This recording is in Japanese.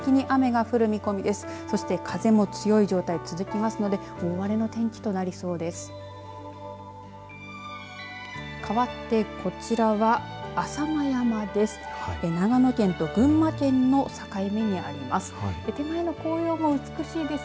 かわってこちらは浅間山です。